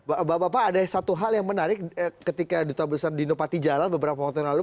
bapak bapak ada satu hal yang menarik ketika duta besar dino patijala beberapa waktu yang lalu